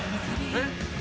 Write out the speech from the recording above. えっ？